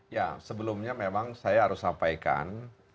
ya sebelumnya memang saya harus sampaikan